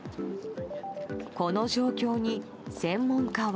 この状況に専門家は。